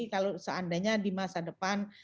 kalau seandainya di masa depan